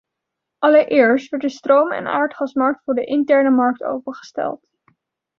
Allereerst werd de stroom- en aardgasmarkt voor de interne markt opengesteld.